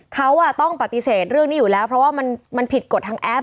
เขาต้องปฏิเสธเรื่องนี้อยู่แล้วเพราะว่ามันผิดกฎทางแอป